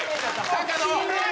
高野！